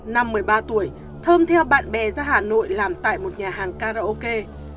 năm một mươi ba tuổi thơm theo bạn bè ra hà nội làm tại một nhà hàng karaoke